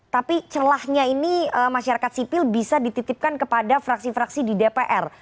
tapi celahnya ini masyarakat sipil bisa dititipkan kepada fraksi fraksi di dpr